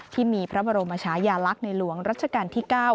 ที่มีพระบรมชายาลักษณ์ในหลวงรัชกาลที่๙